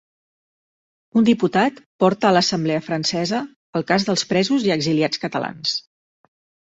Un diputat porta a l'Assemblea Francesa el cas dels presos i exiliats catalans